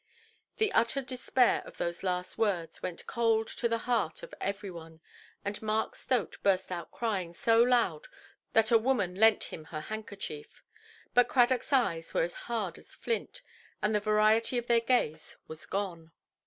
The utter despair of those last words went cold to the heart of every one, and Mark Stote burst out crying so loud that a woman lent him her handkerchief. But Cradockʼs eyes were hard as flint, and the variety of their gaze was gone.